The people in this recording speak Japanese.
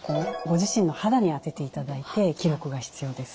ご自身の肌に当てていただいて記録が必要です。